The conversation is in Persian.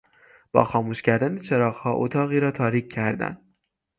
با خاموش کردن چراغها اتاقی را تاریک کردن